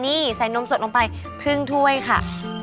นี่ใส่นมสดลงไปครึ่งถ้วยค่ะ